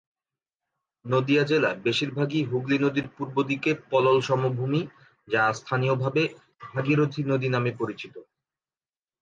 নদিয়া জেলা বেশিরভাগই হুগলি নদীর পূর্বদিকে পলল সমভূমি, যা স্থানীয়ভাবে ভাগীরথী নদী নামে পরিচিত।